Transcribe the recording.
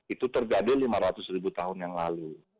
itu terjadi lima ratus ribu tahun yang lalu